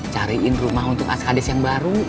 cariin rumah untuk askades yang baru